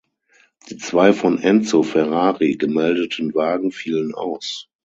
Die zwei von Enzo Ferrari gemeldeten Wagen fielen aus.